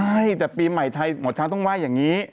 ไม่แต่ปีใหม่มอชาญต้องว่าอย่างนี้